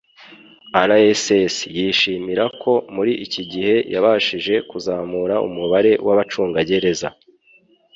RCS yishimira ko muri iki gihe yabashije kuzamura umubare w'abacungagereza